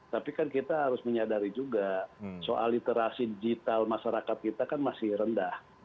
tapi kan kita harus menyadari juga soal literasi digital masyarakat kita kan masih rendah